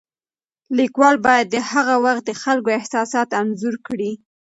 لیکوال باید د هغه وخت د خلکو احساسات انځور کړي.